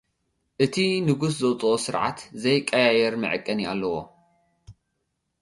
እቲ ንጉስ ዘውጽኦ ስርዓት ዘይቀያየር መዐቀኒ ኣለዎ።